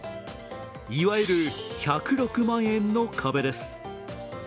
いわゆる、１０６万円の壁です。